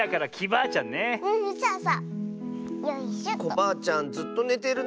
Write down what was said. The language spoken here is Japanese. コバアちゃんずっとねてるね。